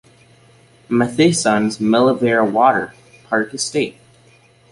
Matheson's Melville Water Park Estate.